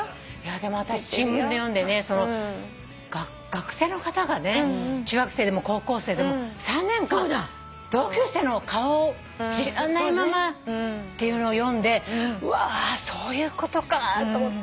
でも私新聞で読んでね学生の方がね中学生でも高校生でも３年間同級生の顔を知らないままっていうのを読んでうわそういうことかと。